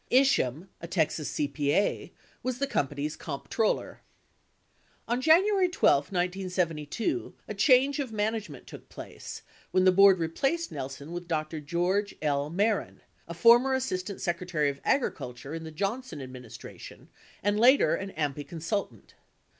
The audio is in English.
7 Isham, a Texas CPA, was the company's comptroller. On January 12, 1972, a change of management took place, when the board replaced Nelson with Dr. George L. Mehren, a former Assist ant Secretary of Agriculture in the Johnson administration and later an AMPI consultant.